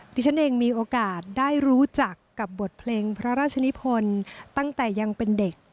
ที่ฉันเองมีโอกาสได้รู้จักกับบทเพลงพระราชนิพลตั้งแต่ยังเป็นเด็ก